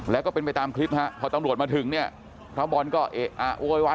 แล้วก็เป็นไปตามคลิปฮะพอตำรวจมาถึงเนี่ยพระบอลก็เอ๊ะอะโวยวาย